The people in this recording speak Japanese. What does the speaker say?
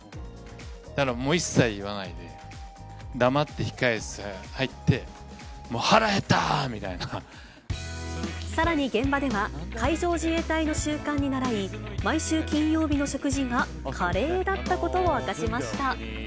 だからもう、一切言わないで、黙って控え室入って、もう、さらに現場では、海上自衛隊の習慣にならい、毎週金曜日の食事がカレーだったことを明かしました。